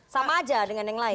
sama aja dengan yang lain